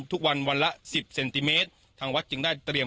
ทุกวันวันละสิบเซนติเมตรทางวัดจึงได้เตรียม